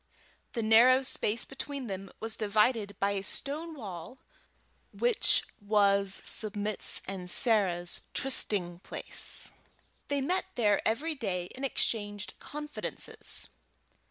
The narrow space between them was divided by a stone wall which was Submit's and Sarah's trysting place. They met there every day and exchanged confidences.